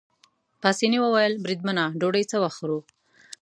پاسیني وویل: بریدمنه ډوډۍ څه وخت خورو؟